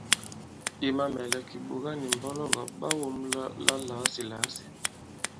I mamɛ̀lɛ, kìɓòga nì mbɔlɔgɔ̀ ɓa wɔ̄mla la làasìlàasì.